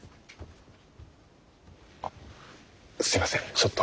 すいませんちょっと。